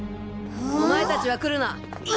お前達は来るな！